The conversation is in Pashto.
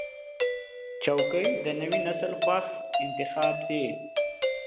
چوکۍ د نوي نسل خوښ انتخاب دی.